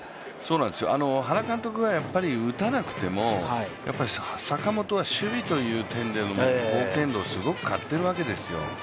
原監督が打たなくても坂本は守備という点での貢献度をすごく買っているわけですよ。